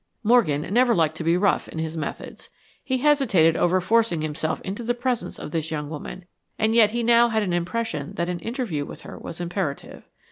Morgan never liked to be rough in his methods. He hesitated over forcing himself into the presence of this young woman, and yet he now had an impression that an interview with her was imperative.